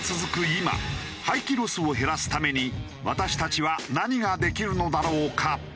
今廃棄ロスを減らすために私たちは何ができるのだろうか？